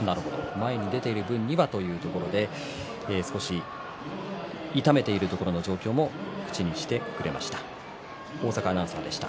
前に出ていればということで少し痛めているところの状況も口にしてくれました。